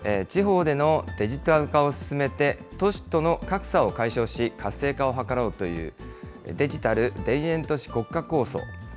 地方でのデジタル化を進めて都市との格差を解消し、活性化を図ろうという、デジタル田園都市国家構想。